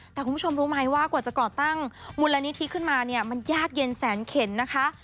แต่คุณผู้ชมรู้ไหมว่ากว่าจะก่อตั้งมูลนิธิขึ้นมาเนี่ยมันยากเย็นแสนเข็นนะคะ